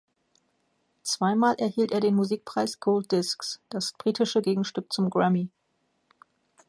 Zweimal erhielt er den Musikpreis "Gold Discs", das britische Gegenstück zum Grammy.